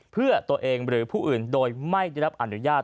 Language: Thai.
เพื่อตัวเองหรือผู้อื่นโดยไม่ได้รับอนุญาต